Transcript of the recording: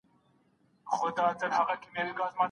ډاکټر زموږ پاڼه نه وه وړاندي کړې.